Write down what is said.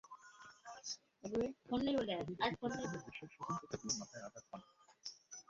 ছবির একটি ঝুঁকিপূর্ণ দৃশ্যের শুটিং করতে গিয়ে মাথায় আঘাত পান হূতিক।